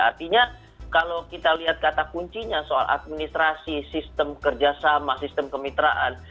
artinya kalau kita lihat kata kuncinya soal administrasi sistem kerjasama sistem kemitraan